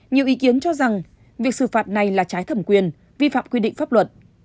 nhiều ý kiến cho rằng việc xử phạt này là trái thẩm quyền vi phạm quy định pháp luật